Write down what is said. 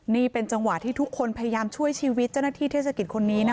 นี่เป็นจังหวะที่ทุกคนพยายามช่วยชีวิตเจ้าหน้าที่เทศกิจคนนี้นะคะ